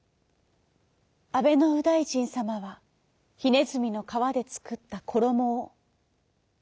あべのうだいじんさまはひねずみのかわでつくったころもを。